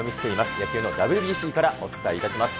野球のＷＢＣからお伝えいたします。